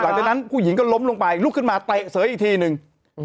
หลังจากนั้นผู้หญิงก็ล้มลงไปลุกขึ้นมาเตะเสยอีกทีนึง